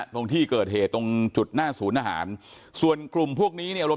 ตรงที่เกิดเหตุตรงจุดหน้าศูนย์อาหารส่วนกลุ่มพวกนี้เนี่ยรวม